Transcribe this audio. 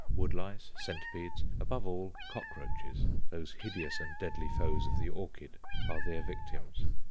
Wood lice, centipedes, above all, cockroaches, those hideous and deadly foes of the orchid, are their victims.